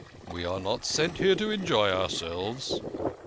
" "We are not sent here to enjoy ourselves."